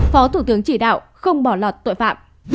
phó thủ tướng chỉ đạo không bỏ lọt tội phạm